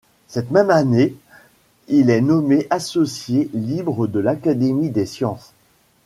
Cette même année, il est nommé associé libre de l’Académie des sciences.